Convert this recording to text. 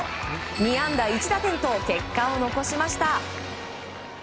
２安打１打点と結果を残しました。